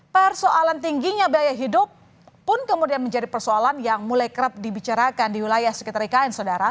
persoalan tingginya biaya hidup pun kemudian menjadi persoalan yang mulai kerap dibicarakan di wilayah sekitar ikn saudara